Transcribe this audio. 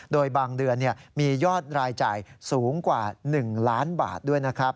โดยบางเดือนมียอดรายจ่ายสูงกว่า๑ล้านบาทด้วยนะครับ